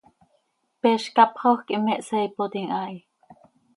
Peez cápxajö quih me hsaaipotim haa hi.